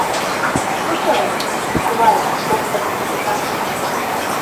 Хушығыҙ, сквайр, доктор, капитан!